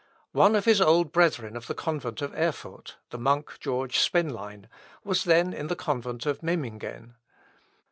One of his old brethren of the convent of Erfurt, the monk George Spenlein, was then in the convent of Memmingen.